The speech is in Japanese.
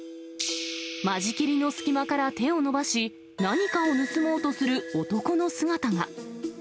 間仕切りの隙間から手を伸ばし、何かを盗もうとする男の姿が。